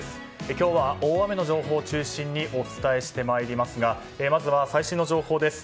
今日は大雨の情報を中心にお伝えしてまいりますがまずは最新の情報です。